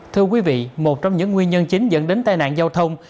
thưa quý vị một trong những nguyên nhân chính dẫn đến tai nạn giao thông